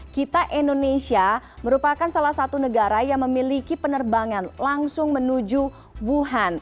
kita indonesia merupakan salah satu negara yang memiliki penerbangan langsung menuju wuhan